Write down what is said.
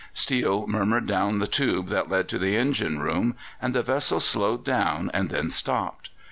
Steele murmured down the tube that led to the engine room, and the vessel slowed down and then stopped.